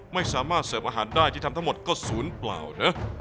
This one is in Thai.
ไม่สามารถเสิร์ฟอาหารได้ที่ทำทั้งหมดก็ศูนย์เปล่านะ